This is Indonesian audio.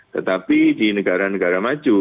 tetapi di negara negara maju